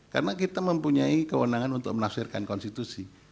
karena kita mempunyai kewenangan untuk menafsirkan konstitusi